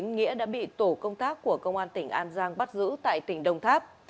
nghĩa đã bị tổ công tác của công an tỉnh an giang bắt giữ tại tỉnh đồng tháp